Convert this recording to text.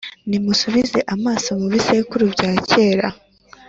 Nimusubize amaso mu bisekuru bya kera